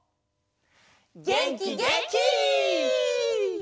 げんきげんき！